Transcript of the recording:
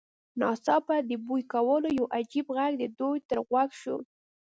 ناڅاپه د بوی کولو یو عجیب غږ د دوی تر غوږ شو